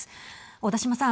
小田島さん。